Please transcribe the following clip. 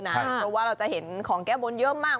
เพราะว่าเราจะเห็นของแก้บนเยอะมาก